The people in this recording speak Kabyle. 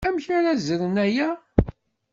Amek ara ẓren aya?